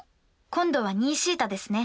今度は２θですね。